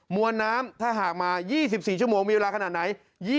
วนน้ำถ้าหากมา๒๔ชั่วโมงมีเวลาขนาดไหน